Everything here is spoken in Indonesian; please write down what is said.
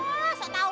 eh saya tau